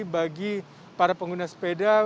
bagi para pengguna sepeda